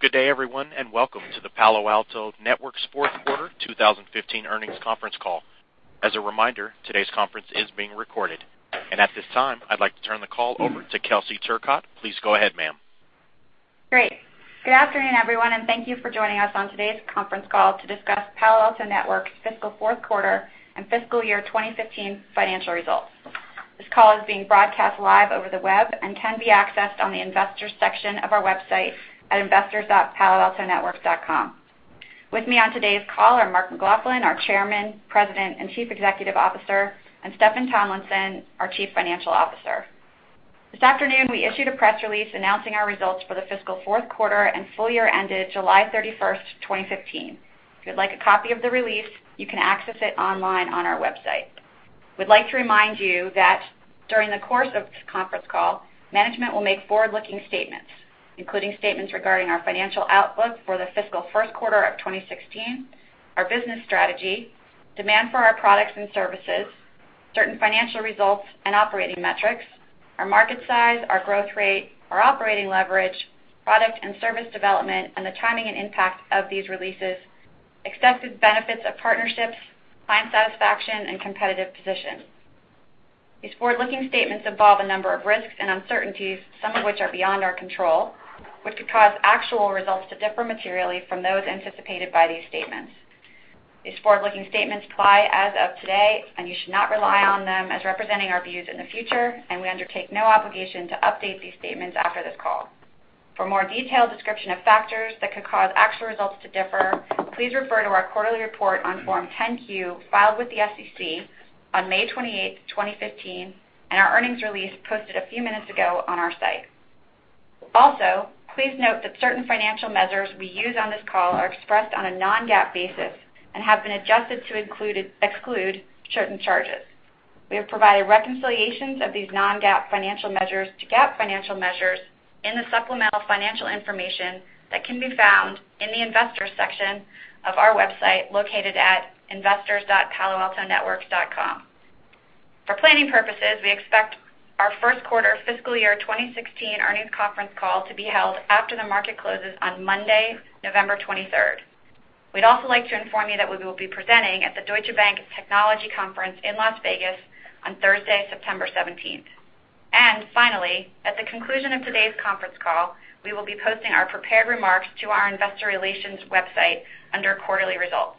Good day everyone, and welcome to the Palo Alto Networks fourth quarter 2015 earnings conference call. As a reminder, today's conference is being recorded. At this time, I'd like to turn the call over to Kelsey Turcotte. Please go ahead, ma'am. Great. Good afternoon, everyone, and thank you for joining us on today's conference call to discuss Palo Alto Networks' fiscal fourth quarter and fiscal year 2015 financial results. This call is being broadcast live over the web and can be accessed on the investors section of our website at investors.paloaltonetworks.com. With me on today's call are Mark McLaughlin, our Chairman, President, and Chief Executive Officer, and Steffan Tomlinson, our Chief Financial Officer. This afternoon, we issued a press release announcing our results for the fiscal fourth quarter and full year ended July 31st, 2015. If you'd like a copy of the release, you can access it online on our website. We'd like to remind you that during the course of this conference call, management will make forward-looking statements, including statements regarding our financial outlook for the fiscal first quarter of 2016, our business strategy, demand for our products and services, certain financial results and operating metrics, our market size, our growth rate, our operating leverage, product and service development, and the timing and impact of these releases, expected benefits of partnerships, client satisfaction and competitive position. These forward-looking statements involve a number of risks and uncertainties, some of which are beyond our control, which could cause actual results to differ materially from those anticipated by these statements. These forward-looking statements apply as of today, and you should not rely on them as representing our views in the future, and we undertake no obligation to update these statements after this call. For more detailed description of factors that could cause actual results to differ, please refer to our quarterly report on Form 10-Q filed with the SEC on May 28th, 2015, and our earnings release posted a few minutes ago on our site. Also, please note that certain financial measures we use on this call are expressed on a non-GAAP basis and have been adjusted to exclude certain charges. We have provided reconciliations of these non-GAAP financial measures to GAAP financial measures in the supplemental financial information that can be found in the investors section of our website located at investors.paloaltonetworks.com. For planning purposes, we expect our first quarter fiscal year 2016 earnings conference call to be held after the market closes on Monday, November 23rd. We'd also like to inform you that we will be presenting at the Deutsche Bank Technology Conference in Las Vegas on Thursday, September 17th. Finally, at the conclusion of today's conference call, we will be posting our prepared remarks to our investor relations website under quarterly results.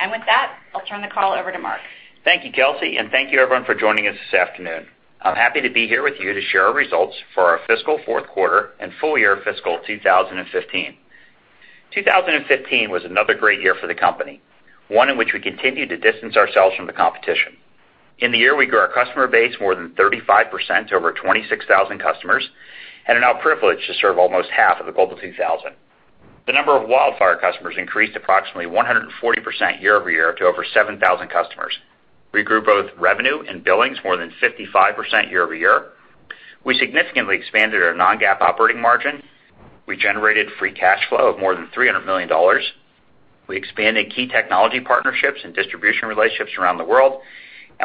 With that, I'll turn the call over to Mark. Thank you, Kelsey. Thank you everyone for joining us this afternoon. I'm happy to be here with you to share our results for our fiscal fourth quarter and full year fiscal 2015. 2015 was another great year for the company, one in which we continued to distance ourselves from the competition. In the year, we grew our customer base more than 35% to over 26,000 customers, and are now privileged to serve almost half of the Global 2000. The number of WildFire customers increased approximately 140% year over year to over 7,000 customers. We grew both revenue and billings more than 55% year over year. We significantly expanded our non-GAAP operating margin. We generated free cash flow of more than $300 million. We expanded key technology partnerships and distribution relationships around the world.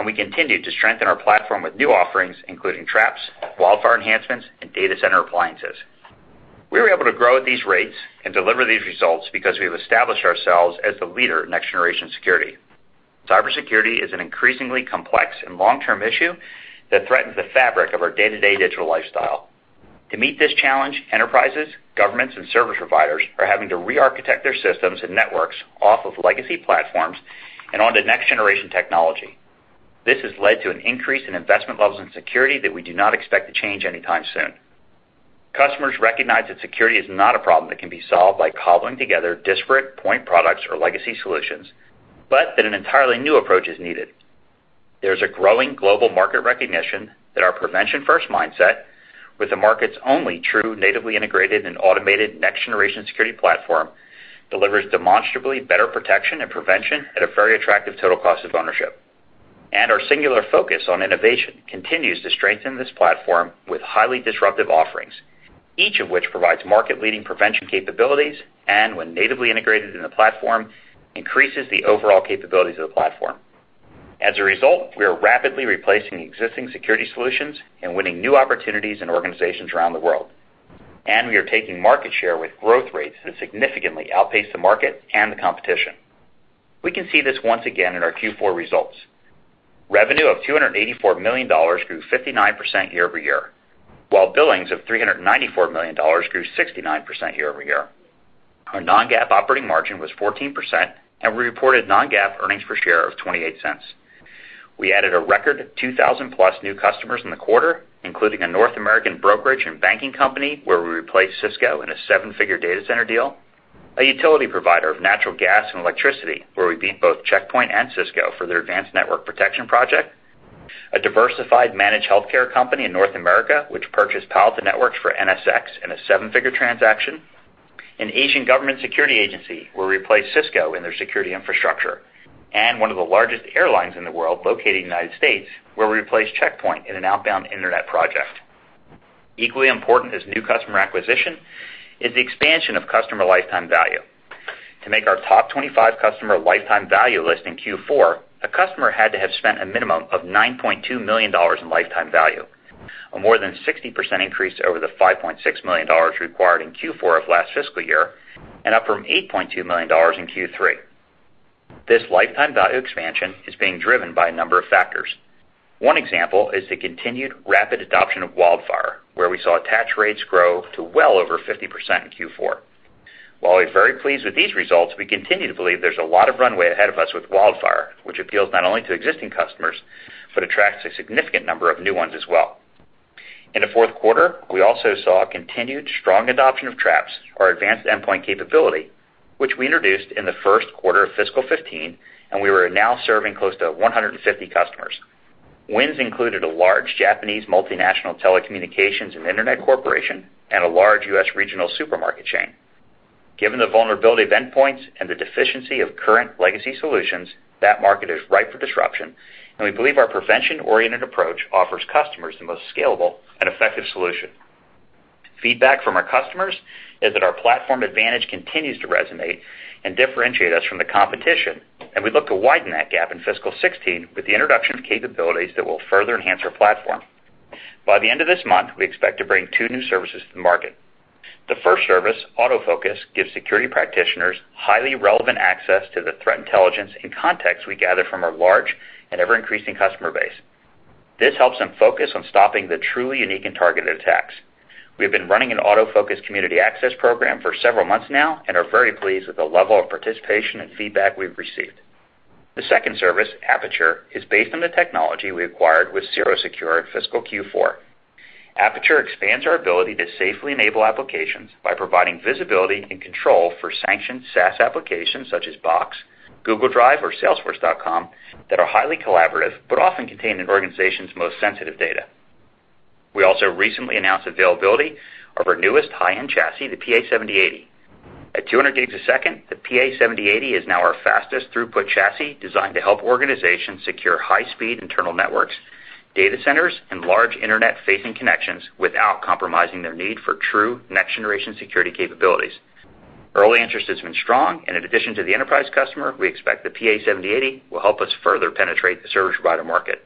We continued to strengthen our platform with new offerings, including Traps, WildFire enhancements, and data center appliances. We were able to grow at these rates and deliver these results because we've established ourselves as the leader in next-generation security. Cybersecurity is an increasingly complex and long-term issue that threatens the fabric of our day-to-day digital lifestyle. To meet this challenge, enterprises, governments, and service providers are having to re-architect their systems and networks off of legacy platforms and onto next-generation technology. This has led to an increase in investment levels in security that we do not expect to change anytime soon. Customers recognize that security is not a problem that can be solved by cobbling together disparate point products or legacy solutions, but that an entirely new approach is needed. There's a growing global market recognition that our prevention first mindset with the market's only true natively integrated and automated next-generation security platform delivers demonstrably better protection and prevention at a very attractive total cost of ownership. Our singular focus on innovation continues to strengthen this platform with highly disruptive offerings, each of which provides market-leading prevention capabilities, and when natively integrated in the platform, increases the overall capabilities of the platform. As a result, we are rapidly replacing the existing security solutions and winning new opportunities in organizations around the world. We are taking market share with growth rates that significantly outpace the market and the competition. We can see this once again in our Q4 results. Revenue of $284 million grew 59% year over year, while billings of $394 million grew 69% year over year. Our non-GAAP operating margin was 14%, and we reported non-GAAP earnings per share of $0.28. We added a record 2,000-plus new customers in the quarter, including a North American brokerage and banking company where we replaced Cisco in a seven-figure data center deal, a utility provider of natural gas and electricity, where we beat both Check Point and Cisco for their advanced network protection project, a diversified managed healthcare company in North America, which purchased Palo Alto Networks for NSX in a seven-figure transaction, an Asian government security agency, where we replaced Cisco in their security infrastructure, and one of the largest airlines in the world located in the U.S., where we replaced Check Point in an outbound internet project. Equally important as new customer acquisition is the expansion of customer lifetime value. To make our top 25 customer lifetime value list in Q4, a customer had to have spent a minimum of $9.2 million in lifetime value, a more than 60% increase over the $5.6 million required in Q4 of last fiscal year, and up from $8.2 million in Q3. This lifetime value expansion is being driven by a number of factors. One example is the continued rapid adoption of WildFire, where we saw attach rates grow to well over 50% in Q4. While we're very pleased with these results, we continue to believe there's a lot of runway ahead of us with WildFire, which appeals not only to existing customers, but attracts a significant number of new ones as well. In the fourth quarter, we also saw continued strong adoption of Traps, our advanced endpoint capability, which we introduced in the first quarter of FY 2015, and we are now serving close to 150 customers. Wins included a large Japanese multinational telecommunications and internet corporation and a large U.S. regional supermarket chain. Given the vulnerability of endpoints and the deficiency of current legacy solutions, that market is ripe for disruption, and we believe our prevention-oriented approach offers customers the most scalable and effective solution. Feedback from our customers is that our platform advantage continues to resonate and differentiate us from the competition, and we look to widen that gap in FY 2016 with the introduction of capabilities that will further enhance our platform. By the end of this month, we expect to bring two new services to the market. The first service, AutoFocus, gives security practitioners highly relevant access to the threat intelligence and context we gather from our large and ever-increasing customer base. This helps them focus on stopping the truly unique and targeted attacks. We have been running an AutoFocus community access program for several months now and are very pleased with the level of participation and feedback we've received. The second service, Aperture, is based on the technology we acquired with CirroSecure in fiscal Q4. Aperture expands our ability to safely enable applications by providing visibility and control for sanctioned SaaS applications such as Box, Google Drive, or salesforce.com that are highly collaborative, but often contain an organization's most sensitive data. We also recently announced availability of our newest high-end chassis, the PA-7080. At 200 gigs a second, the PA-7080 is now our fastest throughput chassis, designed to help organizations secure high-speed internal networks, data centers, and large internet-facing connections without compromising their need for true next-generation security capabilities. Early interest has been strong. In addition to the enterprise customer, we expect the PA-7080 will help us further penetrate the service provider market.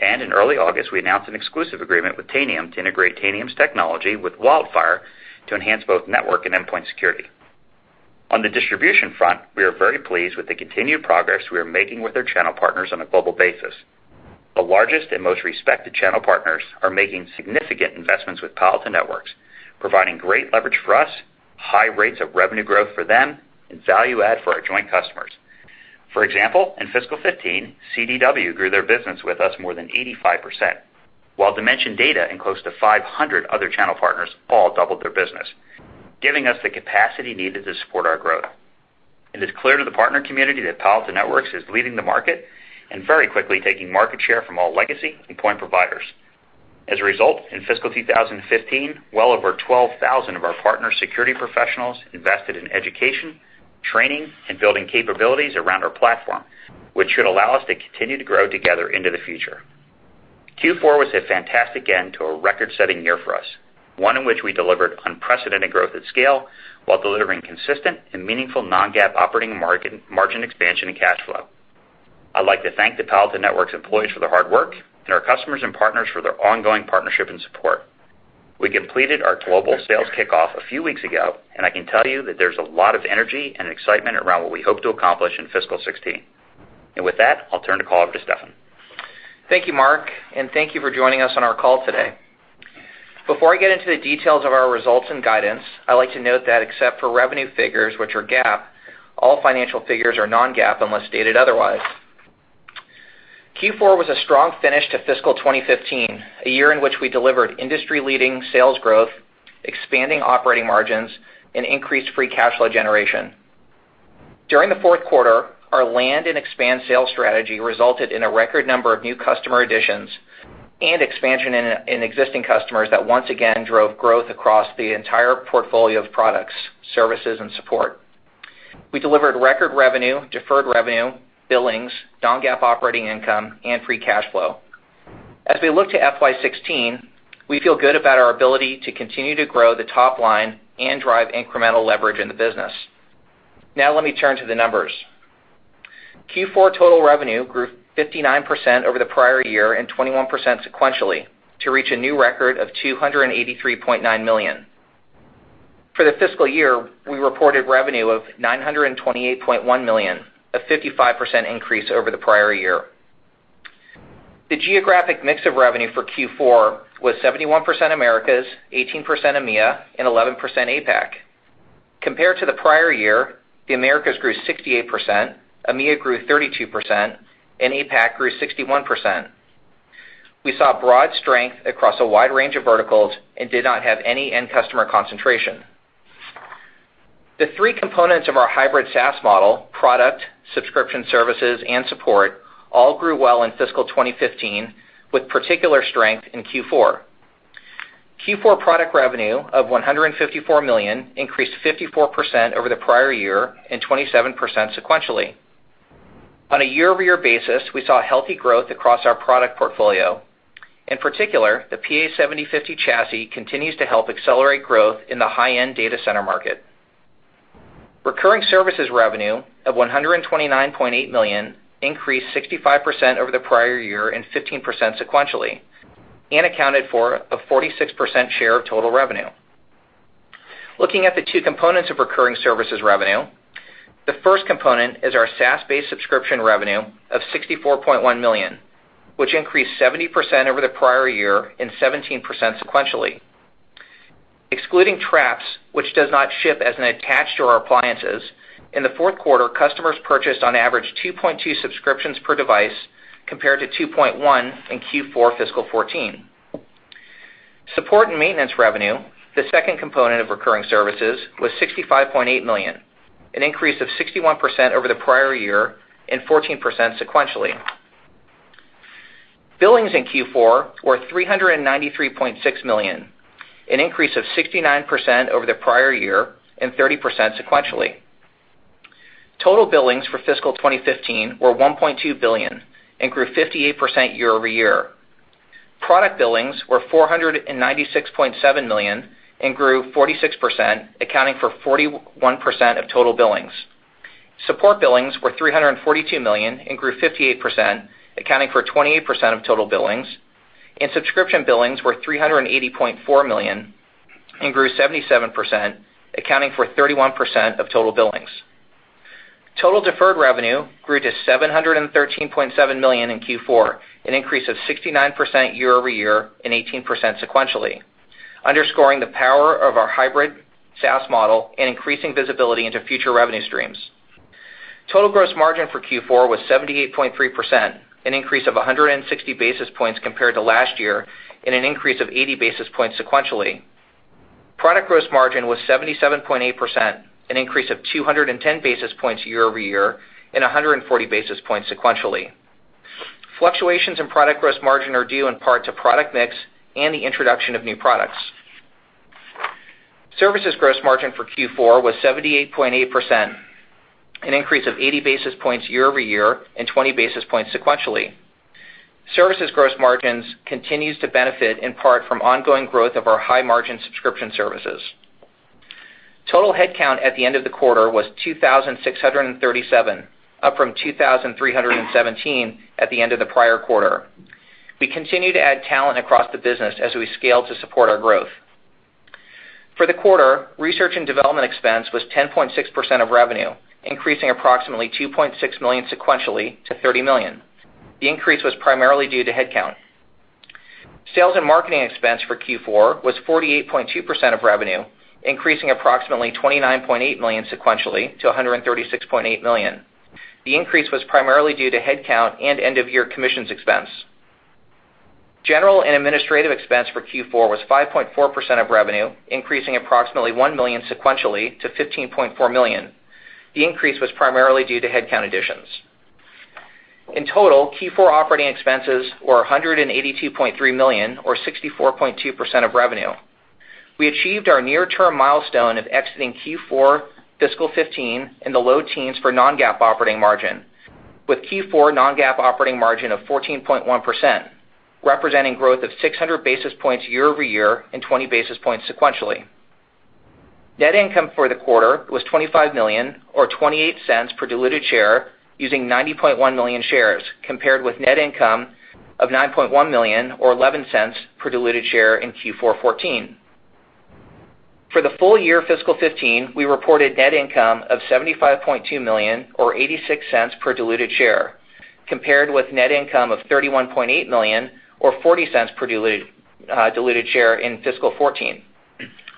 In early August, we announced an exclusive agreement with Tanium to integrate Tanium's technology with WildFire to enhance both network and endpoint security. On the distribution front, we are very pleased with the continued progress we are making with our channel partners on a global basis. The largest and most respected channel partners are making significant investments with Palo Alto Networks, providing great leverage for us, high rates of revenue growth for them, and value add for our joint customers. For example, in fiscal 2015, CDW grew their business with us more than 85%, while Dimension Data and close to 500 other channel partners all doubled their business, giving us the capacity needed to support our growth. It is clear to the partner community that Palo Alto Networks is leading the market and very quickly taking market share from all legacy endpoint providers. As a result, in fiscal 2015, well over 12,000 of our partner security professionals invested in education, training, and building capabilities around our platform, which should allow us to continue to grow together into the future. Q4 was a fantastic end to a record-setting year for us, one in which we delivered unprecedented growth at scale while delivering consistent and meaningful non-GAAP operating margin expansion and cash flow. I'd like to thank the Palo Alto Networks employees for their hard work and our customers and partners for their ongoing partnership and support. We completed our global sales kickoff a few weeks ago. I can tell you that there's a lot of energy and excitement around what we hope to accomplish in fiscal 2016. With that, I'll turn the call over to Steffan. Thank you, Mark. Thank you for joining us on our call today. Before I get into the details of our results and guidance, I'd like to note that except for revenue figures, which are GAAP, all financial figures are non-GAAP unless stated otherwise. Q4 was a strong finish to fiscal 2015, a year in which we delivered industry-leading sales growth, expanding operating margins, and increased free cash flow generation. During the fourth quarter, our land and expand sales strategy resulted in a record number of new customer additions and expansion in existing customers that once again drove growth across the entire portfolio of products, services, and support. We delivered record revenue, deferred revenue, billings, non-GAAP operating income, and free cash flow. As we look to FY 2016, we feel good about our ability to continue to grow the top line and drive incremental leverage in the business. Now let me turn to the numbers. Q4 total revenue grew 59% over the prior year and 21% sequentially to reach a new record of $283.9 million. For the fiscal year, we reported revenue of $928.1 million, a 55% increase over the prior year. The geographic mix of revenue for Q4 was 71% Americas, 18% EMEA, and 11% APAC. Compared to the prior year, the Americas grew 68%, EMEA grew 32%, and APAC grew 61%. We saw broad strength across a wide range of verticals and did not have any end customer concentration. The three components of our hybrid SaaS model, product, subscription services, and support, all grew well in fiscal 2015, with particular strength in Q4. Q4 product revenue of $154 million increased 54% over the prior year and 27% sequentially. On a year-over-year basis, we saw healthy growth across our product portfolio. In particular, the PA-7050 chassis continues to help accelerate growth in the high-end data center market. Recurring services revenue of $129.8 million increased 65% over the prior year and 15% sequentially, and accounted for a 46% share of total revenue. Looking at the two components of recurring services revenue, the first component is our SaaS-based subscription revenue of $64.1 million, which increased 70% over the prior year and 17% sequentially. Excluding Traps, which does not ship as an attached to our appliances, in the fourth quarter, customers purchased on average 2.2 subscriptions per device, compared to 2.1 in Q4 FY 2014. Support and maintenance revenue, the second component of recurring services, was $65.8 million, an increase of 61% over the prior year and 14% sequentially. Billings in Q4 were $393.6 million, an increase of 69% over the prior year and 30% sequentially. Total billings for fiscal 2015 were $1.2 billion and grew 58% year-over-year. Product billings were $496.7 million and grew 46%, accounting for 41% of total billings. Support billings were $342 million and grew 58%, accounting for 28% of total billings. Subscription billings were $380.4 million and grew 77%, accounting for 31% of total billings. Total deferred revenue grew to $713.7 million in Q4, an increase of 69% year-over-year and 18% sequentially, underscoring the power of our hybrid SaaS model and increasing visibility into future revenue streams. Total gross margin for Q4 was 78.3%, an increase of 160 basis points compared to last year and an increase of 80 basis points sequentially. Product gross margin was 77.8%, an increase of 210 basis points year-over-year and 140 basis points sequentially. Fluctuations in product gross margin are due in part to product mix and the introduction of new products. Services gross margins continues to benefit in part from ongoing growth of our high-margin subscription services. Total headcount at the end of the quarter was 2,637, up from 2,317 at the end of the prior quarter. We continue to add talent across the business as we scale to support our growth. For the quarter, research and development expense was 10.6% of revenue, increasing approximately $2.6 million sequentially to $30 million. The increase was primarily due to headcount. Sales and marketing expense for Q4 was 48.2% of revenue, increasing approximately $29.8 million sequentially to $136.8 million. The increase was primarily due to headcount and end-of-year commissions expense. General and administrative expense for Q4 was 5.4% of revenue, increasing approximately $1 million sequentially to $15.4 million. The increase was primarily due to headcount additions. In total, Q4 operating expenses were $182.3 million, or 64.2% of revenue. We achieved our near-term milestone of exiting Q4 fiscal 2015 in the low teens for non-GAAP operating margin, with Q4 non-GAAP operating margin of 14.1%, representing growth of 600 basis points year-over-year and 20 basis points sequentially. Net income for the quarter was $25 million, or $0.28 per diluted share using 90.1 million shares, compared with net income of $9.1 million or $0.11 per diluted share in Q4 2014. For the full year fiscal 2015, we reported net income of $75.2 million or $0.86 per diluted share, compared with net income of $31.8 million or $0.40 per diluted share in fiscal 2014.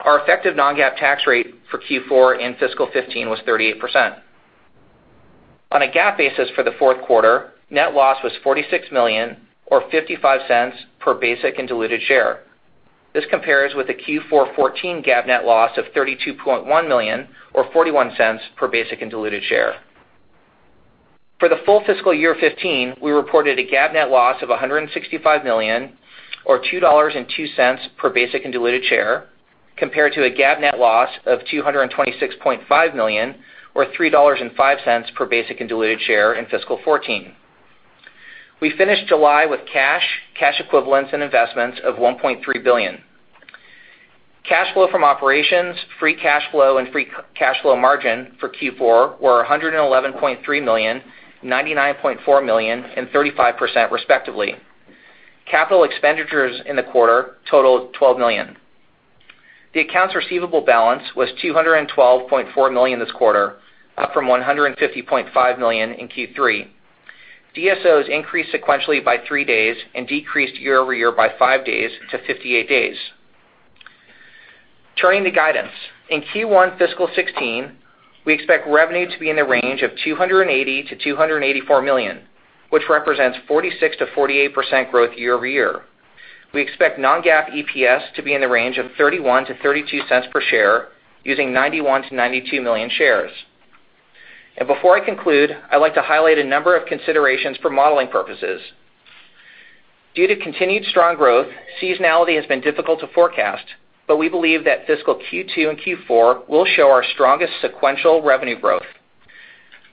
Our effective non-GAAP tax rate for Q4 in fiscal 2015 was 38%. On a GAAP basis for the fourth quarter, net loss was $46 million or $0.55 per basic and diluted share. This compares with a Q4 2014 GAAP net loss of $32.1 million or $0.41 per basic and diluted share. For the full fiscal year 2015, we reported a GAAP net loss of $165 million or $2.02 per basic and diluted share, compared to a GAAP net loss of $226.5 million or $3.05 per basic and diluted share in fiscal 2014. We finished July with cash equivalents, and investments of $1.3 billion. Cash flow from operations, free cash flow, and free cash flow margin for Q4 were $111.3 million, $99.4 million, and 35%, respectively. Capital expenditures in the quarter totaled $12 million. The accounts receivable balance was $212.4 million this quarter, up from $150.5 million in Q3. DSO increased sequentially by three days and decreased year-over-year by five days to 58 days. Turning to guidance. In Q1 fiscal 2016, we expect revenue to be in the range of $280 million-$284 million, which represents 46%-48% growth year-over-year. We expect non-GAAP EPS to be in the range of $0.31-$0.32 per share, using 91 million-92 million shares. Before I conclude, I'd like to highlight a number of considerations for modeling purposes. Due to continued strong growth, seasonality has been difficult to forecast, but we believe that fiscal Q2 and Q4 will show our strongest sequential revenue growth.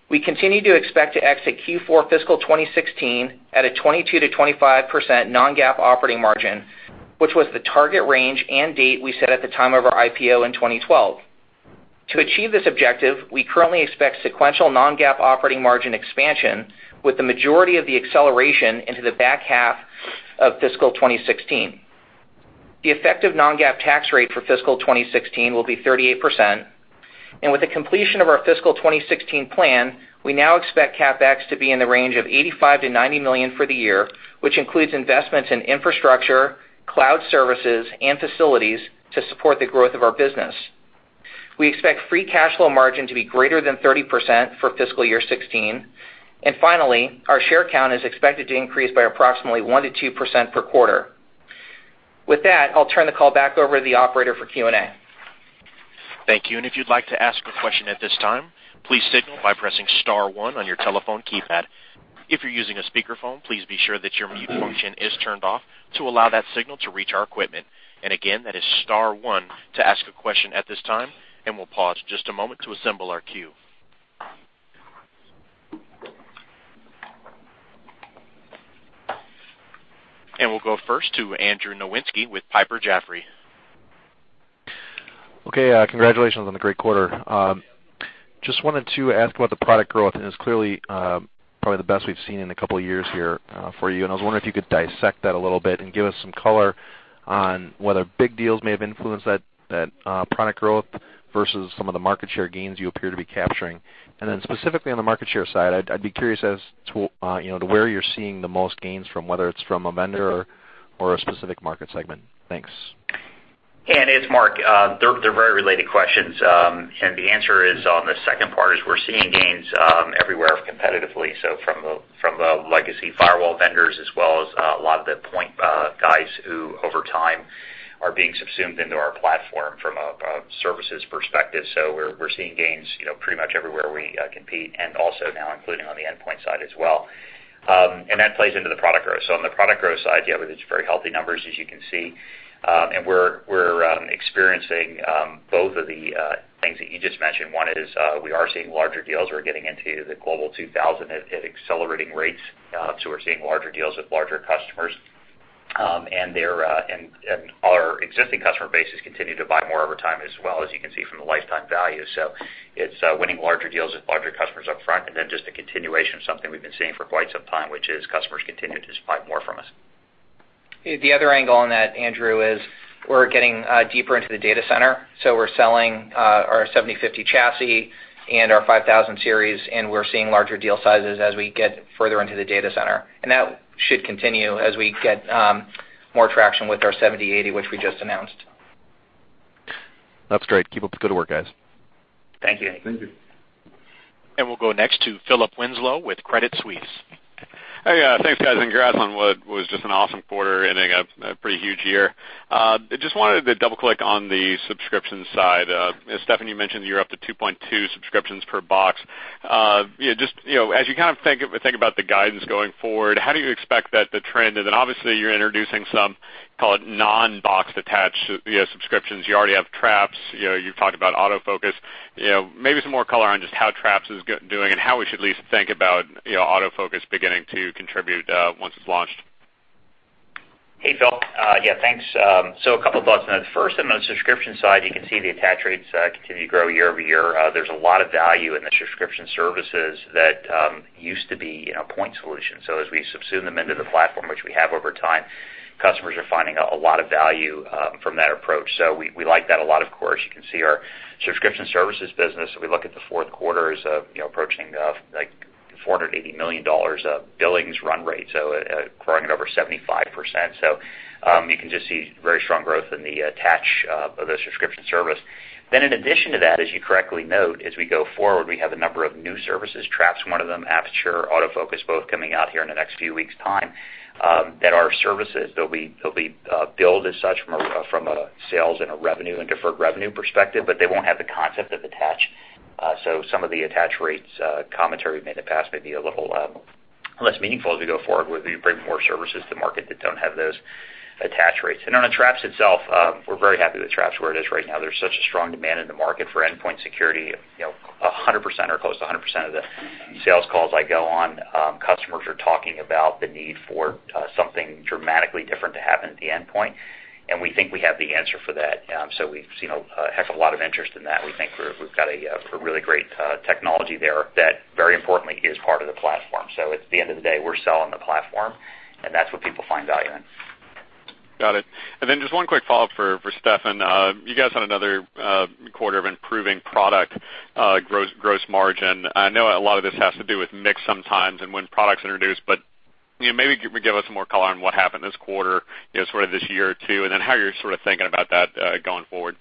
We continue to expect to exit Q4 fiscal 2016 at a 22%-25% non-GAAP operating margin, which was the target range and date we set at the time of our IPO in 2012. To achieve this objective, we currently expect sequential non-GAAP operating margin expansion, with the majority of the acceleration into the back half of fiscal 2016. The effective non-GAAP tax rate for fiscal 2016 will be 38%. With the completion of our fiscal 2016 plan, we now expect CapEx to be in the range of $85 million-$90 million for the year, which includes investments in infrastructure, cloud services, and facilities to support the growth of our business. We expect free cash flow margin to be greater than 30% for fiscal year 2016. Finally, our share count is expected to increase by approximately 1%-2% per quarter. With that, I'll turn the call back over to the operator for Q&A. Thank you. If you'd like to ask a question at this time, please signal by pressing star one on your telephone keypad. If you're using a speakerphone, please be sure that your mute function is turned off to allow that signal to reach our equipment. Again, that is star one to ask a question at this time, and we'll pause just a moment to assemble our queue. We'll go first to Andy Nowinski with Piper Jaffray. Okay, congratulations on the great quarter. Just wanted to ask about the product growth, it's clearly probably the best we've seen in a couple of years here for you, I was wondering if you could dissect that a little bit and give us some color on whether big deals may have influenced that product growth versus some of the market share gains you appear to be capturing. Then specifically on the market share side, I'd be curious as to where you're seeing the most gains from, whether it's from a vendor or a specific market segment. Thanks. Yeah, and it's Mark. They're very related questions, and the answer is, on the second part, is we're seeing gains everywhere competitively. From the legacy firewall vendors as well as a lot of the point guys who, over time, are being subsumed into our platform from a services perspective. We're seeing gains pretty much everywhere we compete and also now including on the endpoint side as well. That plays into the product growth. On the product growth side, yeah, it's very healthy numbers, as you can see. We're experiencing both of the things that you just mentioned. One is we are seeing larger deals. We're getting into the Global 2000 at accelerating rates. We're seeing larger deals with larger customers. Our existing customer base has continued to buy more over time as well, as you can see from the lifetime value. It's winning larger deals with larger customers upfront and then just a continuation of something we've been seeing for quite some time, which is customers continue to just buy more from us. The other angle on that, Andrew, is we're getting deeper into the data center. We're selling our PA-7050 chassis and our PA-5000 Series, we're seeing larger deal sizes as we get further into the data center. That should continue as we get more traction with our PA-7080, which we just announced. That's great. Keep up the good work, guys. Thank you. Thank you. We'll go next to Philip Winslow with Credit Suisse. Hey, thanks, guys. Congrats on what was just an awesome quarter ending a pretty huge year. I just wanted to double-click on the subscription side. Steffan, you mentioned that you're up to 2.2 subscriptions per box. As you think about the guidance going forward, how do you expect that to trend? Obviously you're introducing some, call it non-box attached subscriptions. You already have Traps. You've talked about AutoFocus. Maybe some more color on just how Traps is doing and how we should at least think about AutoFocus beginning to contribute once it's launched. Hey, Phil. Yeah, thanks. A couple of thoughts on that. First, on the subscription side, you can see the attach rates continue to grow year-over-year. There's a lot of value in the subscription services that used to be point solutions. As we subsume them into the platform, which we have over time, customers are finding a lot of value from that approach. We like that a lot, of course. You can see our subscription services business, if we look at the fourth quarter, is approaching $480 million of billings run rate, growing at over 75%. You can just see very strong growth in the attach of the subscription service. In addition to that, as you correctly note, as we go forward, we have a number of new services, Traps one of them, Aperture, AutoFocus, both coming out here in the next few weeks' time, that are services. They'll be billed as such from a sales and a revenue and deferred revenue perspective, but they won't have the concept of attach. Some of the attach rates commentary we've made in the past may be a little less meaningful as we go forward where we bring more services to market that don't have those attach rates. On Traps itself, we're very happy with Traps where it is right now. There's such a strong demand in the market for endpoint security. 100% or close to 100% of the sales calls I go on, customers are talking about the need for something dramatically different to happen at the endpoint, and we think we have the answer for that. We've seen a heck of a lot of interest in that. We think we've got a really great technology there that very importantly is part of the platform. At the end of the day, we're selling the platform, and that's what people find value in. Got it. Just one quick follow-up for Steffan. You guys had another quarter of improving product gross margin. I know a lot of this has to do with mix sometimes and when products introduce, maybe give us some more color on what happened this quarter, this year too, and how you're thinking about that going forward.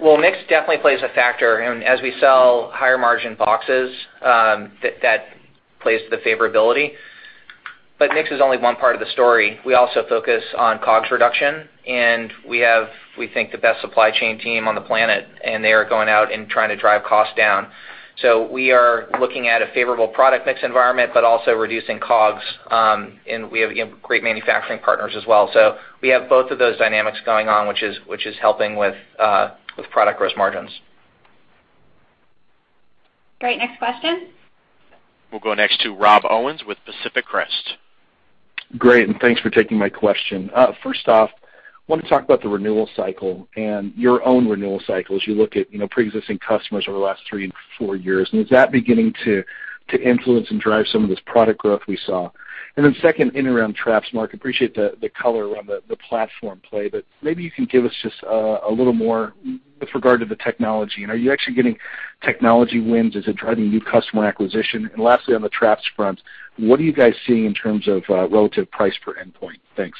Well, mix definitely plays a factor. As we sell higher margin boxes, that plays to the favorability. Mix is only one part of the story. We also focus on COGS reduction, we have, we think, the best supply chain team on the planet, they are going out and trying to drive costs down. We are looking at a favorable product mix environment, also reducing COGS. We have great manufacturing partners as well. We have both of those dynamics going on, which is helping with product gross margins. Great. Next question. We'll go next to Rob Owens with Pacific Crest. Great, thanks for taking my question. First off, I want to talk about the renewal cycle and your own renewal cycle as you look at preexisting customers over the last three and four years. Is that beginning to influence and drive some of this product growth we saw? Then second, in around Traps, Mark, appreciate the color around the platform play, but maybe you can give us just a little more with regard to the technology. Are you actually getting technology wins? Is it driving new customer acquisition? Lastly, on the Traps front, what are you guys seeing in terms of relative price per endpoint? Thanks.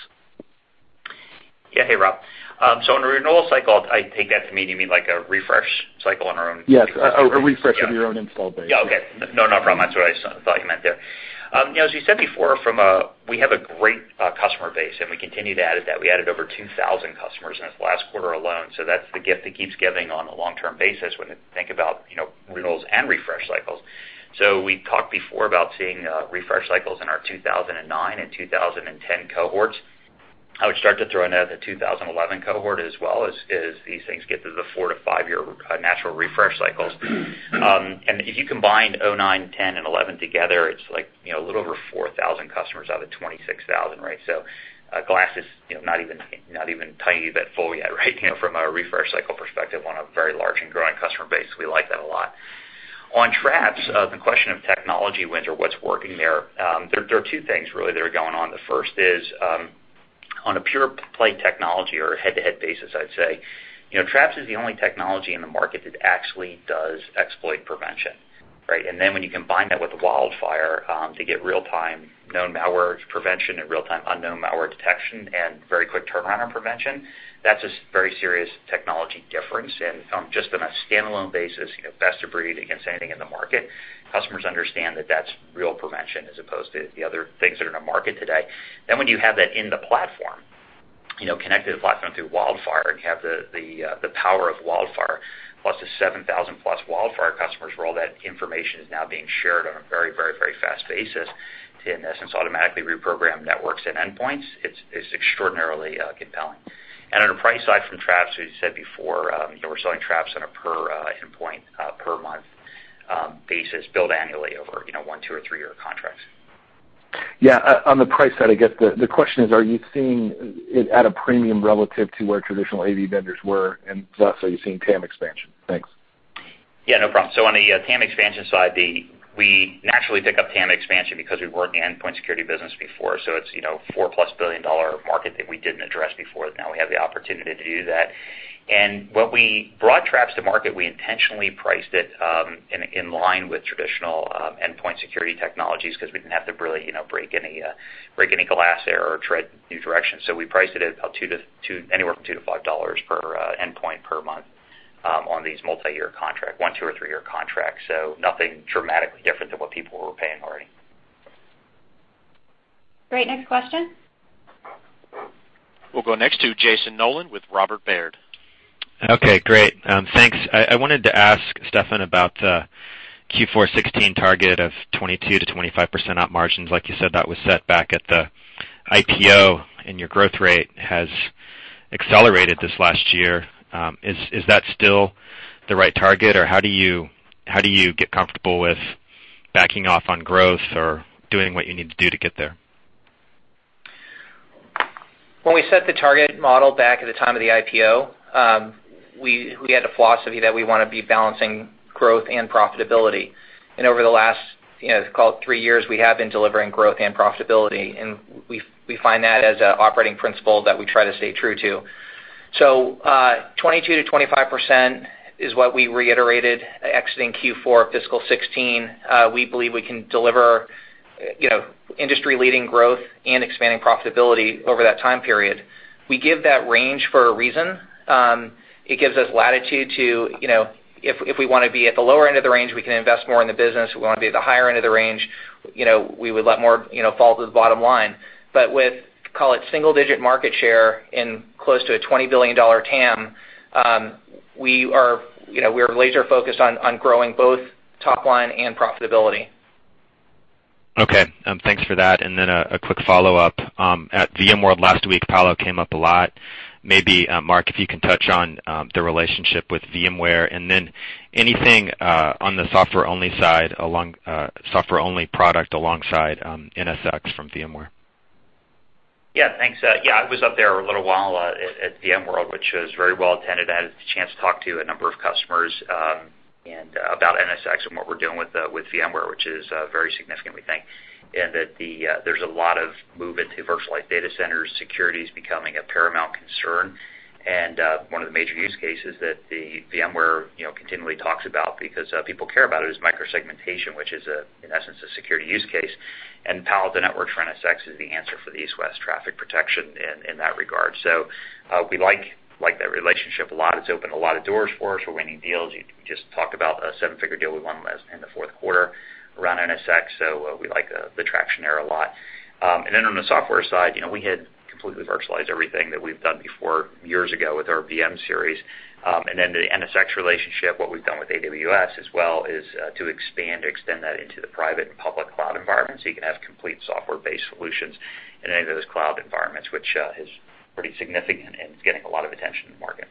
Yeah. Hey, Rob. On the renewal cycle, I take that to mean you mean like a refresh cycle on our own. Yes. A refresh of your own install base. Yeah. Okay. No, no problem. That's what I thought you meant there. We said before, we have a great customer base, and we continue to add at that. We added over 2,000 customers in this last quarter alone. That's the gift that keeps giving on a long-term basis when you think about renewals and refresh cycles. We talked before about seeing refresh cycles in our 2009 and 2010 cohorts. I would start to throw in the 2011 cohort as well as these things get to the four-to-five-year natural refresh cycles. If you combined 2009, 2010, and 2011 together, it's a little over 4,000 customers out of 26,000. A glass is not even tiny bit full yet from a refresh cycle perspective on a very large and growing customer base. We like that a lot. On Traps, the question of technology wins or what's working there. There are two things really that are going on. The first is, on a pure play technology or a head-to-head basis, I'd say, Traps is the only technology in the market that actually does exploit prevention. When you combine that with WildFire to get real-time known malware prevention and real-time unknown malware detection and very quick turnaround on prevention, that's a very serious technology difference. Just on a standalone basis, best of breed against anything in the market. Customers understand that that's real prevention as opposed to the other things that are in our market today. When you have that in the platform, connected to the platform through WildFire and you have the power of WildFire plus the 7,000-plus WildFire customers, where all that information is now being shared on a very fast basis to, in essence, automatically reprogram networks and endpoints. It's extraordinarily compelling. On the price side from Traps, as we said before, we're selling Traps on a per endpoint, per month basis, billed annually over one, two, or three-year contracts. Yeah. On the price side, I guess the question is, are you seeing it at a premium relative to where traditional AV vendors were? Plus, are you seeing TAM expansion? Thanks. Yeah, no problem. On the TAM expansion side, we naturally pick up TAM expansion because we've worked in the endpoint security business before. It's a $4-plus billion market that we didn't address before. Now we have the opportunity to do that. When we brought Traps to market, we intentionally priced it in line with traditional endpoint security technologies because we didn't have to really break any glass there or tread new directions. We priced it at anywhere from $2 to $5 per endpoint per month on these multi-year contract, one, two, or three-year contracts. Nothing dramatically different than what people were paying already. Great. Next question. We'll go next to Jason Nolan with Robert Baird. Okay, great. Thanks. I wanted to ask Steffan about the Q4 FY 2016 target of 22%-25% op margins. Like you said, that was set back at the IPO, and your growth rate has accelerated this last year. Is that still the right target? How do you get comfortable with backing off on growth or doing what you need to do to get there? When we set the target model back at the time of the IPO, we had a philosophy that we want to be balancing growth and profitability. Over the last, call it three years, we have been delivering growth and profitability, and we find that as an operating principle that we try to stay true to. 22%-25% is what we reiterated exiting Q4 of FY 2016. We believe we can deliver industry-leading growth and expanding profitability over that time period. We give that range for a reason. It gives us latitude to, if we want to be at the lower end of the range, we can invest more in the business. If we want to be at the higher end of the range, we would let more fall to the bottom line. With, call it, single-digit market share and close to a $20 billion TAM, we are laser-focused on growing both top line and profitability. Okay. Thanks for that. A quick follow-up. At VMworld last week, Palo came up a lot. Maybe, Mark, if you can touch on the relationship with VMware and anything on the software-only product alongside NSX from VMware. Thanks. I was up there a little while at VMworld, which was very well attended. I had the chance to talk to a number of customers about NSX and what we're doing with VMware, which is very significant, we think, in that there's a lot of movement to virtualized data centers. Security is becoming a paramount concern. One of the major use cases that VMware continually talks about because people care about it, is micro-segmentation, which is, in essence, a security use case. Palo Alto Networks for NSX is the answer for the east-west traffic protection in that regard. We like that relationship a lot. It's opened a lot of doors for us. We're winning deals. You just talked about a seven-figure deal we won in the fourth quarter. Around NSX. We like the traction there a lot. On the software side, we had completely virtualized everything that we've done before, years ago with our VM-Series. The NSX relationship, what we've done with AWS as well is to expand or extend that into the private and public cloud environments, so you can have complete software-based solutions in any of those cloud environments, which is pretty significant and is getting a lot of attention in the market.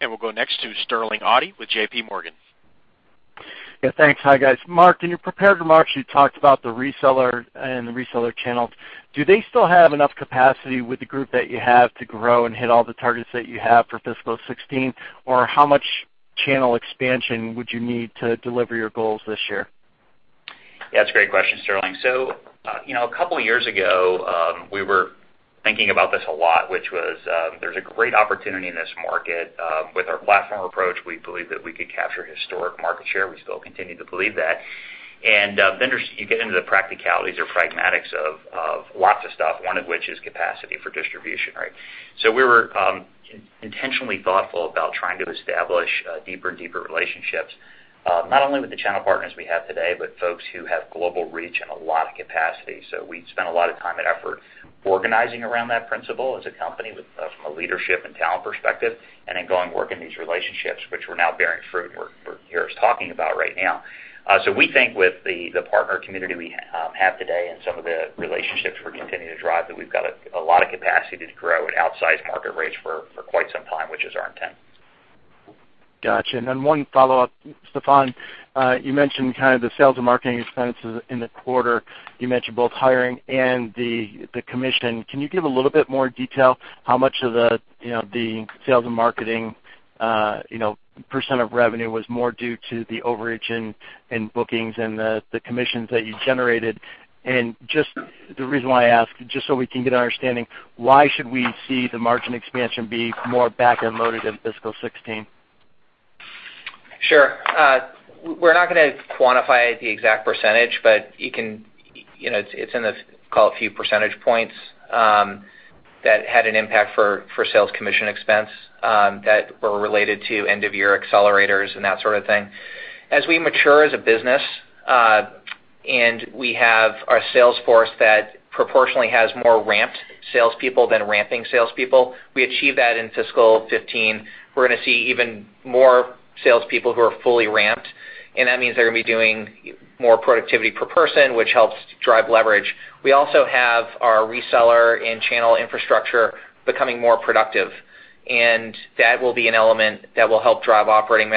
We'll go next to Sterling Auty with JP Morgan. Thanks. Hi, guys. Mark, in your prepared remarks, you talked about the reseller and the reseller channels. Do they still have enough capacity with the group that you have to grow and hit all the targets that you have for FY 2016? Or how much channel expansion would you need to deliver your goals this year? Yeah, it's a great question, Sterling. A 2 years ago, we were thinking about this a lot, which was, there's a great opportunity in this market. With our platform approach, we believe that we could capture historic market share. We still continue to believe that. Vendors, you get into the practicalities or pragmatics of lots of stuff, one of which is capacity for distribution, right? We were intentionally thoughtful about trying to establish deeper and deeper relationships, not only with the channel partners we have today, but folks who have global reach and a lot of capacity. We spent a lot of time and effort organizing around that principle as a company from a leadership and talent perspective, and then going work in these relationships, which were now bearing fruit and we're here talking about right now. We think with the partner community we have today and some of the relationships we're continuing to drive, that we've got a lot of capacity to grow and outsize market rates for quite some time, which is our intent. Got you. One follow-up. Steffan, you mentioned kind of the sales and marketing expenses in the quarter. You mentioned both hiring and the commission. Can you give a little bit more detail how much of the sales and marketing percent of revenue was more due to the overage in bookings and the commissions that you generated? The reason why I ask, just so we can get an understanding, why should we see the margin expansion be more back-end loaded in FY 2016? Sure. We're not going to quantify the exact percentage, but it's in the, call it, few percentage points that had an impact for sales commission expense that were related to end-of-year accelerators and that sort of thing. As we mature as a business, and we have our sales force that proportionally has more ramped salespeople than ramping salespeople, we achieve that in FY 2015. We're going to see even more salespeople who are fully ramped, and that means they're going to be doing more productivity per person, which helps drive leverage. We also have our reseller and channel infrastructure becoming more productive, and that will be an element that will help drive operating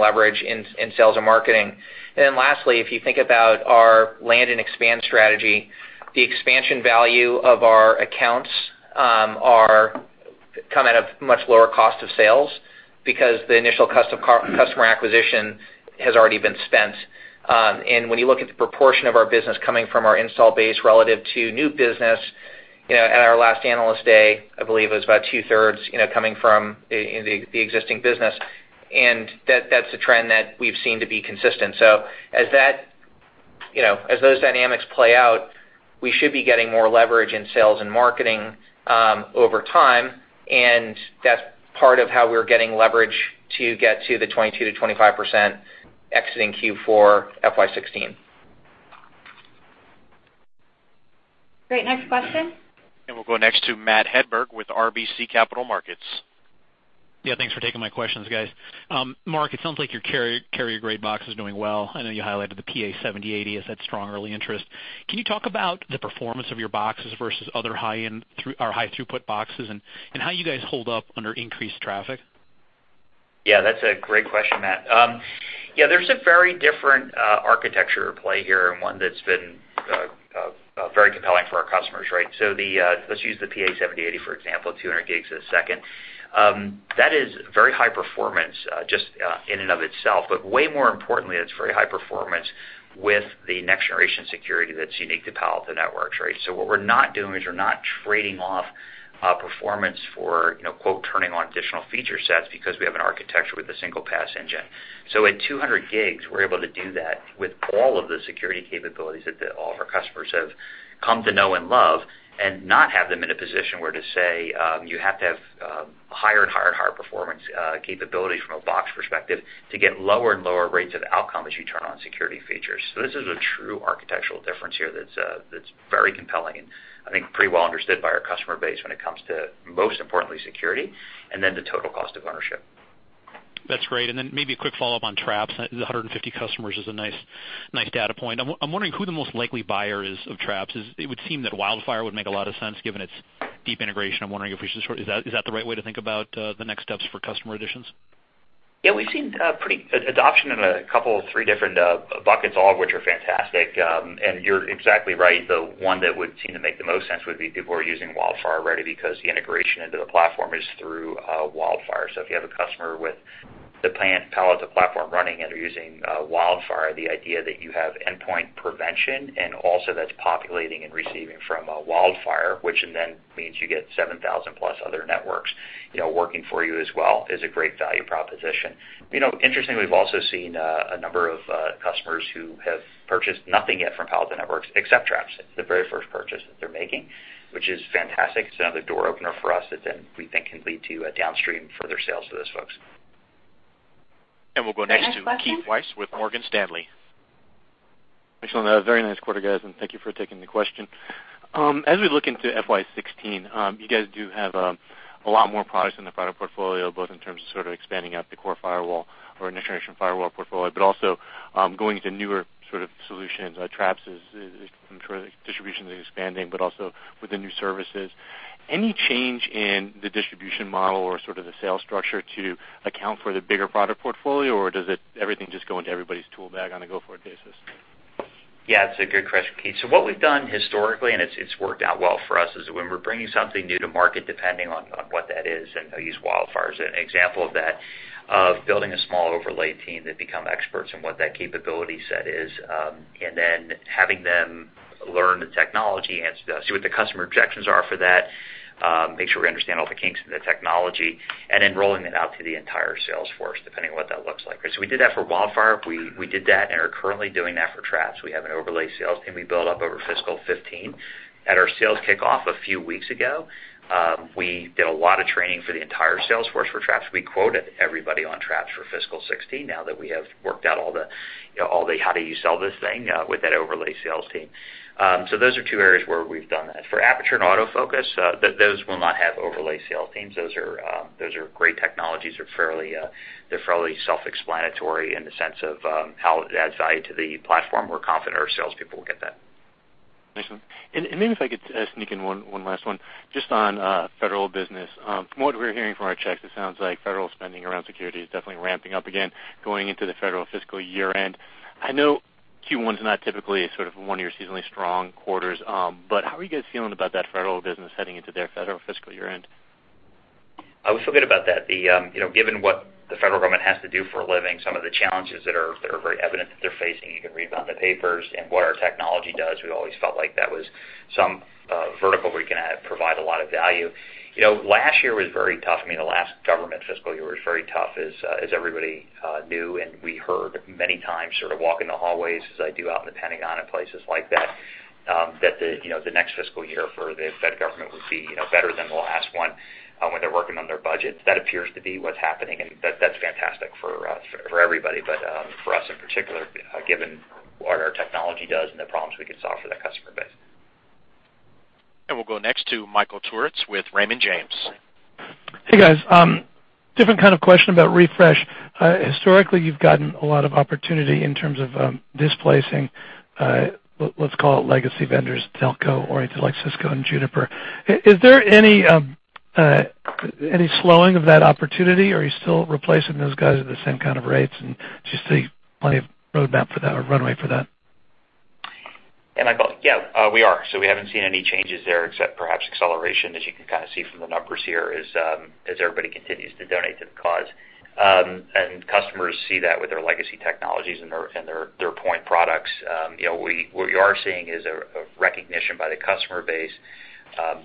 leverage in sales and marketing. Lastly, if you think about our land and expand strategy, the expansion value of our accounts come at a much lower cost of sales because the initial customer acquisition has already been spent. When you look at the proportion of our business coming from our install base relative to new business, at our last Analyst Day, I believe it was about two-thirds coming from the existing business, and that's a trend that we've seen to be consistent. As those dynamics play out, we should be getting more leverage in sales and marketing over time, and that's part of how we're getting leverage to get to the 22%-25% exiting Q4 FY 2016. Great. Next question? We'll go next to Matt Hedberg with RBC Capital Markets. Thanks for taking my questions, guys. Mark, it sounds like your carrier grade box is doing well. I know you highlighted the PA-7080 has had strong early interest. Can you talk about the performance of your boxes versus other high throughput boxes and how you guys hold up under increased traffic? That's a great question, Matt. There's a very different architecture at play here and one that's been very compelling for our customers, right? Let's use the PA-7080, for example, 200 gigs a second. That is very high performance just in and of itself, but way more importantly, it's very high performance with the next-generation security that's unique to Palo Alto Networks, right? What we're not doing is we're not trading off performance for quote, "turning on additional feature sets" because we have an architecture with a single-pass engine. At 200 gigs, we're able to do that with all of the security capabilities that all of our customers have come to know and love and not have them in a position where to say, you have to have higher and higher performance capabilities from a box perspective to get lower and lower rates of outcome as you turn on security features. This is a true architectural difference here that's very compelling and I think pretty well understood by our customer base when it comes to, most importantly, security, and then the total cost of ownership. That's great. Maybe a quick follow-up on Traps. The 150 customers is a nice data point. I'm wondering who the most likely buyer is of Traps. It would seem that WildFire would make a lot of sense given its deep integration. Is that the right way to think about the next steps for customer additions? We've seen adoption in a couple, three different buckets, all of which are fantastic. You're exactly right. The one that would seem to make the most sense would be people who are using WildFire already because the integration into the platform is through WildFire. If you have a customer with the Palo Alto platform running and they're using WildFire, the idea that you have endpoint prevention and also that's populating and receiving from WildFire, which then means you get 7,000-plus other networks working for you as well, is a great value proposition. Interestingly, we've also seen a number of customers who have purchased nothing yet from Palo Alto Networks except Traps. It's the very first purchase that they're making, which is fantastic. It's another door opener for us that then we think can lead to downstream further sales to those folks. We'll go next to Keith Weiss with Morgan Stanley. Excellent. A very nice quarter, guys, and thank you for taking the question. As we look into FY 2016, you guys do have a lot more products in the product portfolio, both in terms of expanding out the core firewall or next-generation firewall portfolio, but also going into newer sort of solutions. Traps, I'm sure the distribution is expanding, but also with the new services. Any change in the distribution model or sort of the sales structure to account for the bigger product portfolio, or does everything just go into everybody's tool bag on a go-forward basis? It's a good question, Keith. What we've done historically, and it's worked out well for us, is when we're bringing something new to market, depending on what that is, and I'll use WildFire as an example of that, of building a small overlay team that become experts in what that capability set is, and then having them learn the technology and see what the customer objections are for that, make sure we understand all the kinks in the technology, and then rolling it out to the entire sales force, depending on what that looks like. We did that for WildFire. We did that and are currently doing that for Traps. We have an overlay sales team we built up over fiscal 2015. At our sales kickoff a few weeks ago, we did a lot of training for the entire sales force for Traps. We quoted everybody on Traps for fiscal 2016, now that we have worked out all the how do you sell this thing with that overlay sales team. Those are two areas where we've done that. For Aperture and AutoFocus, those will not have overlay sales teams. Those are great technologies. They're fairly self-explanatory in the sense of how it adds value to the platform. We're confident our salespeople will get that. Excellent. Maybe if I could sneak in one last one, just on federal business. From what we're hearing from our checks, it sounds like federal spending around security is definitely ramping up again, going into the federal fiscal year-end. I know Q1 is not typically sort of one of your seasonally strong quarters. How are you guys feeling about that federal business heading into their federal fiscal year-end? I always feel good about that. Given what the federal government has to do for a living, some of the challenges that are very evident that they're facing, you can read about in the papers, what our technology does, we always felt like that was some vertical where we can provide a lot of value. Last year was very tough. I mean, the last government fiscal year was very tough, as everybody knew, we heard many times sort of walking the hallways as I do out in the Pentagon and places like that the next fiscal year for the Fed government would be better than the last one when they're working on their budgets. That appears to be what's happening, that's fantastic for everybody, for us in particular, given what our technology does and the problems we can solve for that customer base. We'll go next to Michael Turits with Raymond James. Hey, guys. Different kind of question about refresh. Historically, you've gotten a lot of opportunity in terms of displacing, let's call it legacy vendors, telco oriented, like Cisco and Juniper. Is there any slowing of that opportunity? Are you still replacing those guys at the same kind of rates, do you see plenty of roadmap for that or runway for that? Yeah, Michael. Yeah, we are. We haven't seen any changes there except perhaps acceleration, as you can kind of see from the numbers here, as everybody continues to donate to the cause. Customers see that with their legacy technologies and their point products. What we are seeing is a recognition by the customer base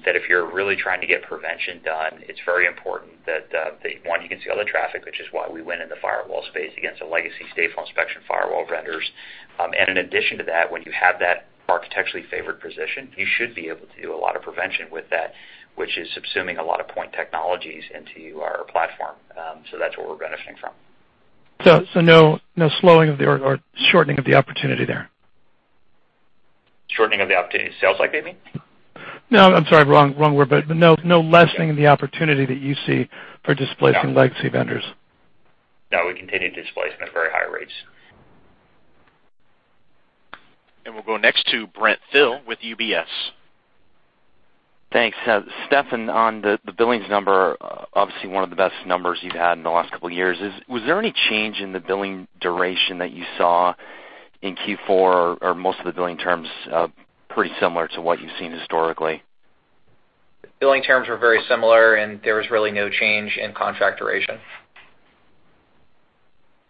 that if you're really trying to get prevention done, it's very important that, one, you can see all the traffic, which is why we went in the firewall space against the legacy stateful inspection firewall vendors. In addition to that, when you have that architecturally favored position, you should be able to do a lot of prevention with that, which is subsuming a lot of point technologies into our platform. That's what we're benefiting from. No slowing or shortening of the opportunity there? Shortening of the sales pipe, you mean? I'm sorry. Wrong word, no lessening of the opportunity that you see for displacing legacy vendors. We continue displacement at very high rates. We'll go next to Brent Thill with UBS. Thanks. Steffan, on the billings number, obviously one of the best numbers you've had in the last couple of years. Was there any change in the billing duration that you saw in Q4, or most of the billing terms pretty similar to what you've seen historically? Billing terms were very similar, and there was really no change in contract duration.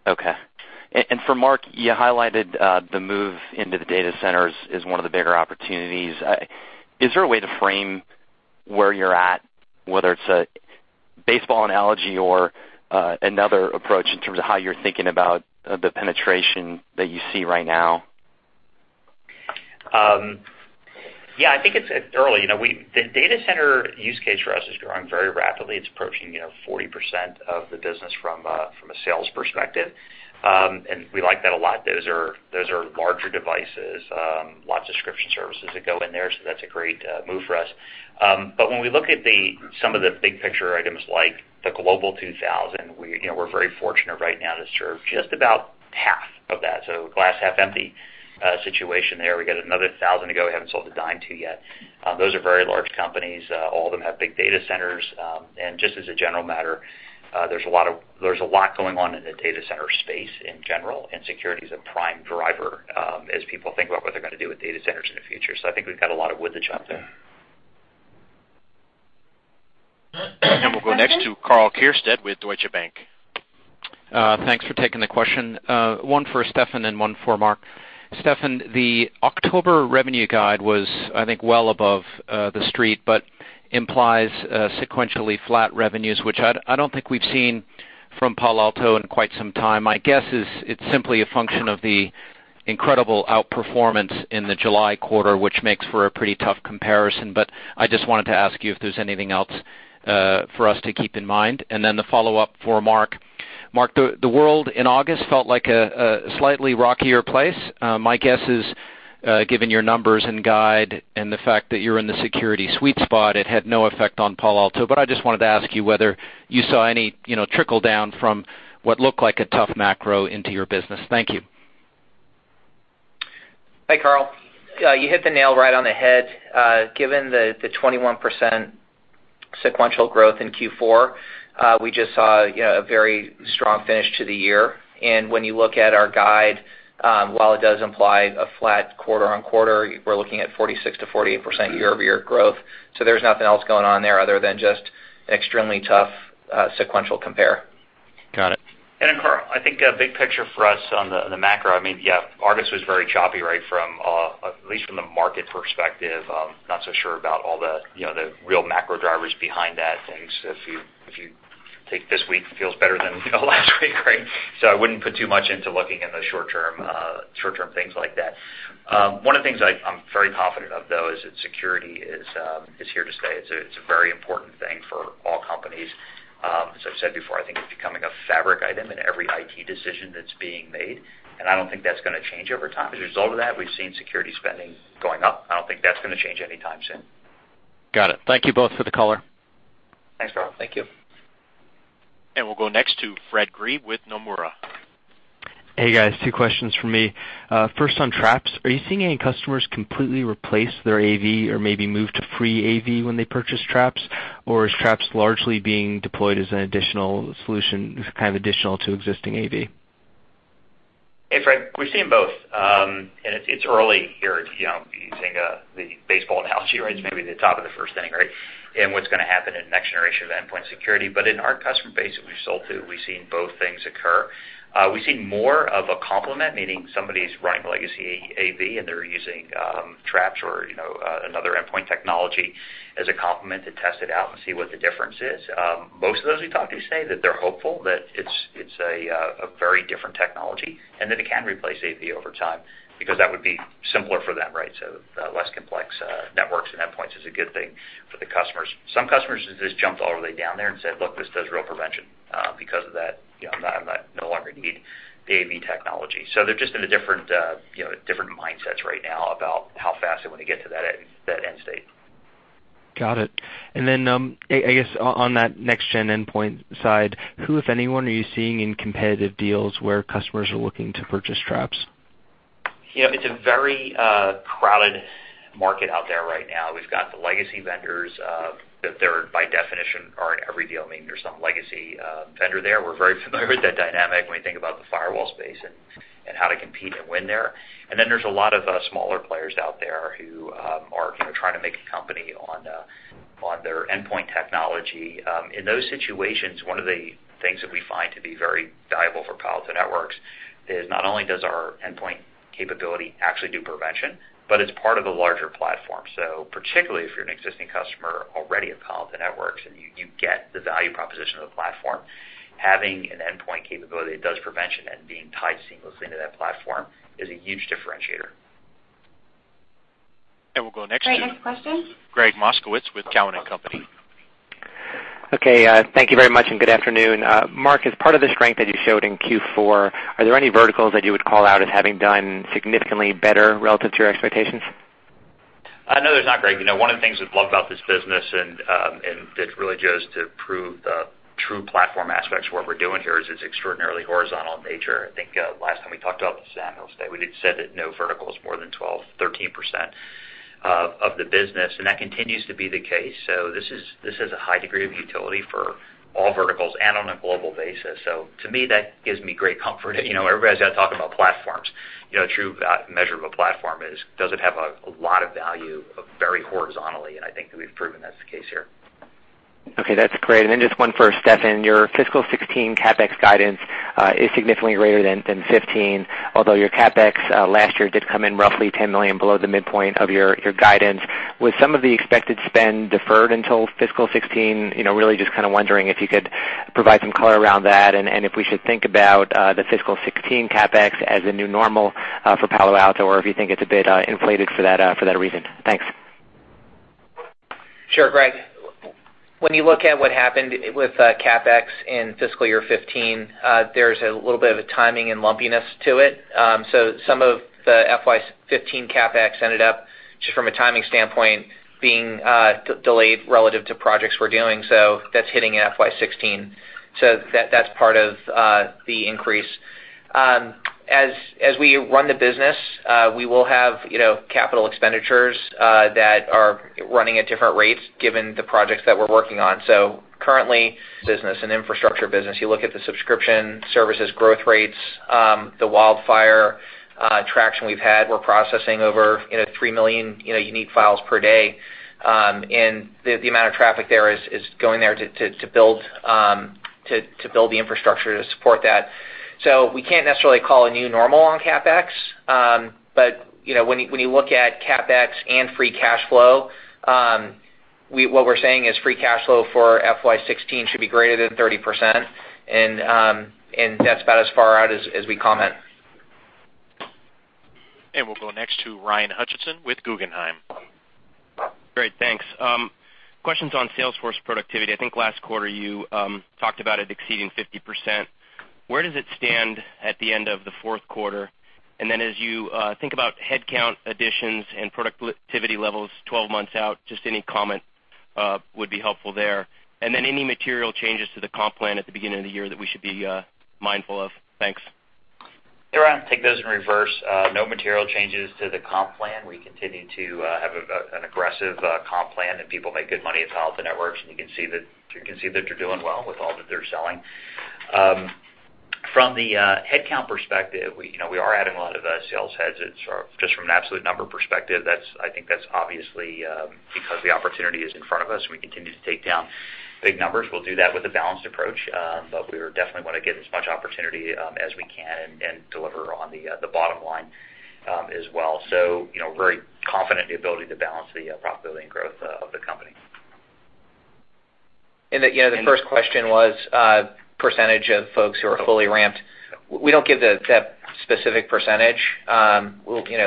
Okay. For Mark, you highlighted the move into the data centers is one of the bigger opportunities. Is there a way to frame where you're at, whether it's a baseball analogy or another approach in terms of how you're thinking about the penetration that you see right now? Yeah, I think it's early. The data center use case for us is growing very rapidly. It's approaching 40% of the business from a sales perspective. We like that a lot. Those are larger devices, lots of subscription services that go in there, so that's a great move for us. When we look at some of the big picture items like the Global 2000, we're very fortunate right now to serve just about half of that. Glass half empty situation there. We got another 1,000 to go we haven't sold a dime to yet. Those are very large companies. All of them have big data centers. Just as a general matter, there's a lot going on in the data center space in general, and security is a prime driver as people think about what they're going to do with data centers in the future. I think we've got a lot of wood to chop there. We'll go next to Karl Keirstead with Deutsche Bank. Thanks for taking the question. One for Steffan and one for Mark. Steffan, the October revenue guide was, I think, well above the street, but implies sequentially flat revenues, which I don't think we've seen from Palo Alto in quite some time. My guess is it's simply a function of the incredible outperformance in the July quarter, which makes for a pretty tough comparison. I just wanted to ask you if there's anything else for us to keep in mind? Then the follow-up for Mark. Mark, the world in August felt like a slightly rockier place. My guess is, given your numbers and guide and the fact that you're in the security sweet spot, it had no effect on Palo Alto. I just wanted to ask you whether you saw any trickle down from what looked like a tough macro into your business. Thank you. Hey, Karl. You hit the nail right on the head. Given the 21% sequential growth in Q4, we just saw a very strong finish to the year. When you look at our guide, while it does imply a flat quarter-on-quarter, we're looking at 46%-48% year-over-year growth. There's nothing else going on there other than just extremely tough sequential compare. Got it. Karl, I think a big picture for us on the macro, I mean, yeah, August was very choppy, at least from the market perspective. Not so sure about all the real macro drivers behind that. If you take this week, it feels better than last week, right? I wouldn't put too much into looking in the short-term things like that. One of the things I'm very confident of, though, is that security is here to stay. It's a very important thing for all companies. As I've said before, I think it's becoming a fabric item in every IT decision that's being made, and I don't think that's going to change over time. As a result of that, we've seen security spending going up. I don't think that's going to change anytime soon. Got it. Thank you both for the color. Thanks, Karl. Thank you. We'll go next to Fred Grieb with Nomura. Hey, guys. Two questions from me. First, on Traps, are you seeing any customers completely replace their AV or maybe move to free AV when they purchase Traps? Is Traps largely being deployed as an additional solution, kind of additional to existing AV? Hey, Fred. It's early here. Using the baseball analogy, it's maybe the top of the first inning. What's going to happen in the next generation of endpoint security. In our customer base that we've sold to, we've seen both things occur. We've seen more of a complement, meaning somebody's running legacy AV, and they're using Traps or another endpoint technology as a complement to test it out and see what the difference is. Most of those we talked to say that they're hopeful that it's a very different technology and that it can replace AV over time, because that would be simpler for them. Less complex networks and endpoints is a good thing for the customers. Some customers have just jumped all the way down there and said, "Look, this does real prevention. Because of that, I no longer need the AV technology." They're just in different mindsets right now about how fast they want to get to that end state. Got it. Then, I guess on that next-gen endpoint side, who, if anyone, are you seeing in competitive deals where customers are looking to purchase Traps? It's a very crowded market out there right now. We've got the legacy vendors that, by definition, are in every deal. There's some legacy vendor there. We're very familiar with that dynamic when we think about the firewall space and how to compete and win there. Then there's a lot of smaller players out there who are trying to make a company on their endpoint technology. In those situations, one of the things that we find to be very valuable for Palo Alto Networks is not only does our endpoint capability actually do prevention, but it's part of a larger platform. Particularly if you're an existing customer already at Palo Alto Networks and you get the value proposition of the platform, having an endpoint capability that does prevention and being tied seamlessly into that platform is a huge differentiator. We'll go next to Great. Next question Gregg Moskowitz with Cowen and Company. Okay. Thank you very much, and good afternoon. Mark, as part of the strength that you showed in Q4, are there any verticals that you would call out as having done significantly better relative to your expectations? No, there's not, Gregg. One of the things we've loved about this business and it really goes to prove the true platform aspects of what we're doing here, is it's extraordinarily horizontal in nature. I think last time we talked about this,[unsure], was that we had said that no vertical is more than 12%, 13% of the business, and that continues to be the case. This is a high degree of utility for all verticals and on a global basis. To me, that gives me great comfort. Everybody's out talking about platforms. A true measure of a platform is does it have a lot of value very horizontally? I think that we've proven that's the case here. Okay, that's great. Just one for Steffan. Your fiscal 2016 CapEx guidance is significantly greater than 2015, although your CapEx last year did come in roughly $10 million below the midpoint of your guidance. Was some of the expected spend deferred until fiscal 2016? Really just kind of wondering if you could provide some color around that and if we should think about the fiscal 2016 CapEx as a new normal for Palo Alto, or if you think it's a bit inflated for that reason. Thanks. Sure, Gregg. When you look at what happened with CapEx in fiscal year 2015, there's a little bit of a timing and lumpiness to it. Some of the FY 2015 CapEx ended up, just from a timing standpoint, being delayed relative to projects we're doing. That's hitting in FY 2016. That's part of the increase. As we run the business, we will have capital expenditures that are running at different rates given the projects that we're working on. Currently, business and infrastructure business, you look at the subscription services growth rates, the WildFire traction we've had. We're processing over 3 million unique files per day, and the amount of traffic there is going there to build the infrastructure to support that. We can't necessarily call a new normal on CapEx, but when you look at CapEx and free cash flow What we're saying is free cash flow for FY 2016 should be greater than 30%, and that's about as far out as we comment. We'll go next to Ryan Hutchinson with Guggenheim. Great. Thanks. Questions on sales force productivity. I think last quarter you talked about it exceeding 50%. Where does it stand at the end of the fourth quarter? Then as you think about headcount additions and productivity levels 12 months out, just any comment would be helpful there. Then any material changes to the comp plan at the beginning of the year that we should be mindful of. Thanks. Hey, Ryan. Take those in reverse. No material changes to the comp plan. We continue to have an aggressive comp plan. People make good money at Palo Alto Networks, and you can see that they're doing well with all that they're selling. From the headcount perspective, we are adding a lot of sales heads. Just from an absolute number perspective, I think that's obviously because the opportunity is in front of us. We continue to take down big numbers. We'll do that with a balanced approach. We definitely want to get as much opportunity as we can and deliver on the bottom line as well. Very confident in the ability to balance the profitability and growth of the company. The first question was percentage of folks who are fully ramped. We don't give that specific percentage.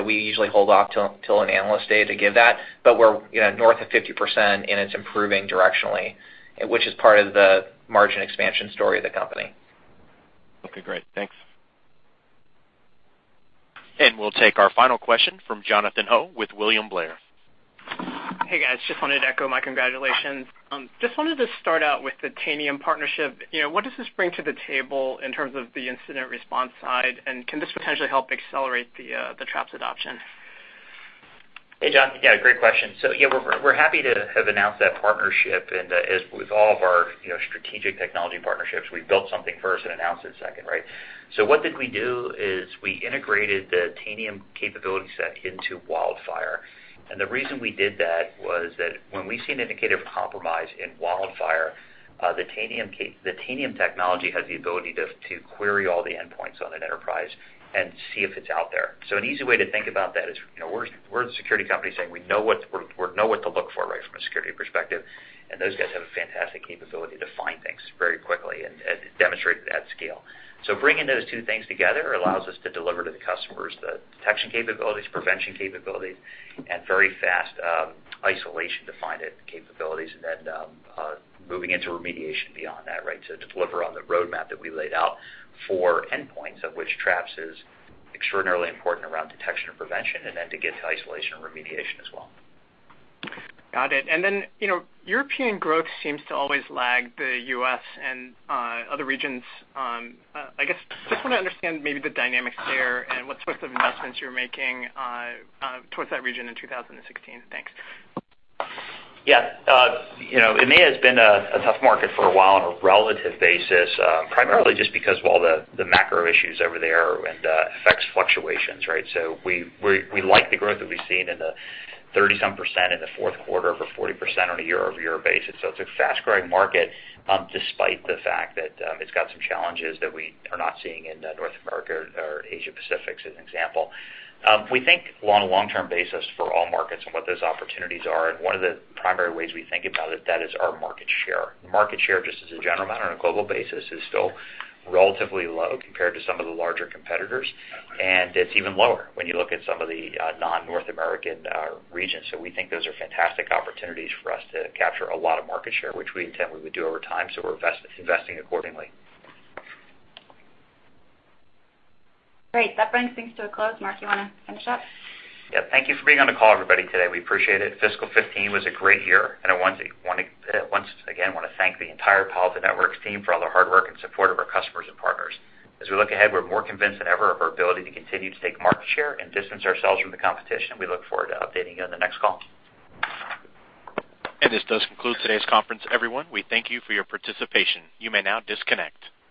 We usually hold off till an analyst day to give that. We're north of 50% and it's improving directionally, which is part of the margin expansion story of the company. Okay, great. Thanks. We'll take our final question from Jonathan Ho with William Blair. Hey, guys. Just wanted to echo my congratulations. Just wanted to start out with the Tanium partnership. What does this bring to the table in terms of the incident response side, and can this potentially help accelerate the Traps adoption? Hey, Jonathan. Yeah, great question. Yeah, we're happy to have announced that partnership. As with all of our strategic technology partnerships, we built something first and announced it second, right? What did we do is we integrated the Tanium capability set into WildFire. The reason we did that was that when we see an indicator of compromise in WildFire, the Tanium technology has the ability to query all the endpoints on an enterprise and see if it's out there. An easy way to think about that is, we're the security company saying we know what to look for right from a security perspective, and those guys have a fantastic capability to find things very quickly and demonstrate it at scale. Bringing those two things together allows us to deliver to the customers the detection capabilities, prevention capabilities, and very fast isolation to find it capabilities, then moving into remediation beyond that. To deliver on the roadmap that we laid out for endpoints, of which Traps is extraordinarily important around detection and prevention, then to get to isolation and remediation as well. Got it. Then, European growth seems to always lag the U.S. and other regions. I guess, just want to understand maybe the dynamics there and what sorts of investments you're making towards that region in 2016. Thanks. Yeah. EMEA has been a tough market for a while on a relative basis, primarily just because of all the macro issues over there and FX fluctuations. We like the growth that we've seen in the 30-some percent in the fourth quarter over 40% on a year-over-year basis. It's a fast-growing market, despite the fact that it's got some challenges that we are not seeing in North America or Asia Pacific, as an example. We think on a long-term basis for all markets and what those opportunities are, and one of the primary ways we think about it, that is our market share. Market share, just as a general matter on a global basis, is still relatively low compared to some of the larger competitors, and it's even lower when you look at some of the non-North American regions. We think those are fantastic opportunities for us to capture a lot of market share, which we intend we would do over time, so we're investing accordingly. Great. That brings things to a close. Mark, you want to finish up? Yeah. Thank you for being on the call, everybody, today. We appreciate it. FY 2015 was a great year. I once again want to thank the entire Palo Alto Networks team for all their hard work and support of our customers and partners. As we look ahead, we're more convinced than ever of our ability to continue to take market share and distance ourselves from the competition. We look forward to updating you on the next call. This does conclude today's conference, everyone. We thank you for your participation. You may now disconnect.